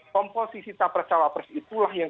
komposisi capres cawapres itulah yang